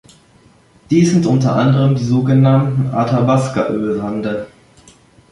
Dies sind unter anderem die sogenannten Athabasca-Ölsande.